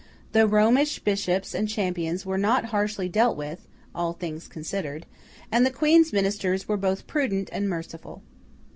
The Romish bishops and champions were not harshly dealt with, all things considered; and the Queen's Ministers were both prudent and merciful.